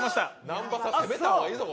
南波さん、攻めた方がいいぞ。